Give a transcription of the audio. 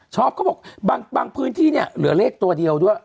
ชอบเขาบอกบางพื้นที่หรือเลขตัวเดียวด้วย